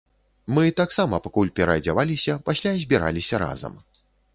Мы таксама пакуль пераадзяваліся, пасля збіраліся разам.